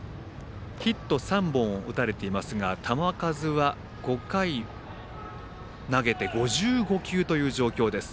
ヒット３本を打たれていますが球数は５回投げて５５球という状況です。